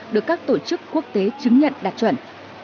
được các tổ chức quốc tế chứng nhận đạt chuẩn